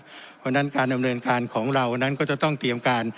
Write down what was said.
เพราะฉะนั้นการดำเนินการของเรานั้นก็จะต้องเตรียมการ